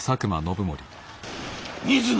水野！